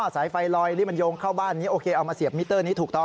สายไฟลอยที่มันโยงเข้าบ้านนี้โอเคเอามาเสียบมิเตอร์นี้ถูกต้อง